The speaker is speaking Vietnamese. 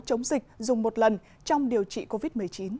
chống dịch dùng một lần trong điều trị covid một mươi chín